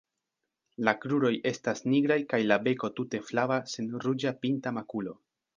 La kruroj estas nigraj kaj la beko tute flava sen ruĝa pinta makulo.